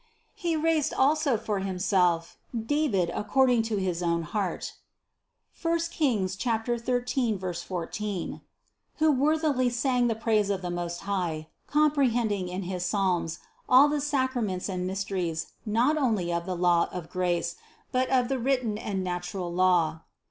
160. He raised also for Himself David according to his own heart (I Reg. 13, 14), who worthily sang the praise of the Most High, comprehending in his Psalms all the sacraments and mysteries not only of the law of 11 138 CITY OF GOD grace, but of the written and natural law.